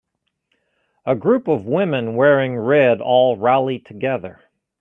A group of women wearing red all rally together.